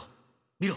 見ろ